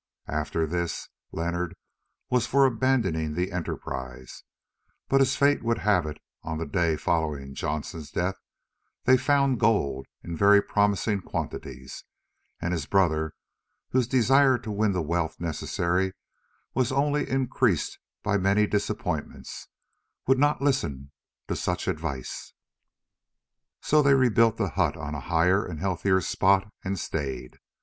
After this Leonard was for abandoning the enterprise, but, as fate would have it, on the day following Johnston's death they found gold in very promising quantities, and his brother, whose desire to win the wealth necessary was only increased by many disappointments, would not listen to such advice. So they rebuilt the hut on a higher and healthier spot and stayed.